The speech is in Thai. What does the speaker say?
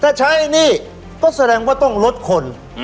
ถ้าใช้หนี้ก็แสดงว่าต้องลดคน